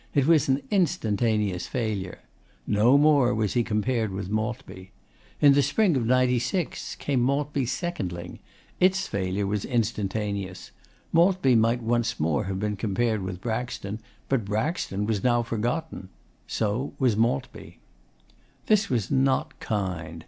It was an instantaneous failure. No more was he compared with Maltby. In the spring of '96 came Maltby's secondling. Its failure was instantaneous. Maltby might once more have been compared with Braxton. But Braxton was now forgotten. So was Maltby. This was not kind.